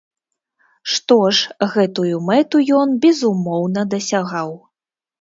Што ж, гэтую мэту ён, безумоўна, дасягаў.